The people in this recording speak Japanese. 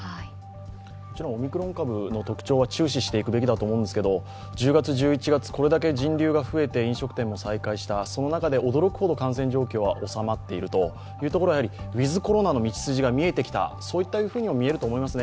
もちろんオミクロン株の特徴は注視していくべきだと思いますが１０月１１月、これだけ人流が増えて飲食店も再開した、その中で驚くほど感染状況は収まっているというところはやはりウィズ・コロナの道筋が見えてきたと癒えると思いますね。